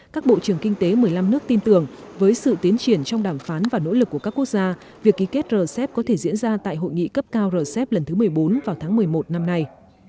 các bộ trưởng kinh tế một mươi năm nước tin tưởng với sự tiến triển trong đàm phán và nỗ lực của các quốc gia việc ký kết rcep có thể diễn ra tại hội nghị cấp cao rcep lần thứ một mươi bốn vào tháng một mươi một năm nay